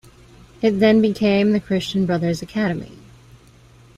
It then became the Christian Brothers Academy.